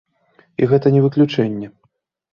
І гэта не выключэнне.